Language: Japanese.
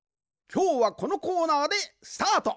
きょうはこのコーナーでスタート！